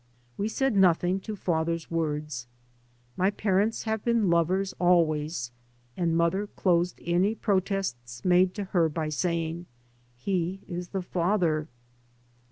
We said nothing to father's words; my parents have been lovers always and mother closed any protests made to her by saying, " He is the father."